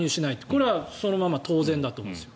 これはそのまま当然だと思うんです。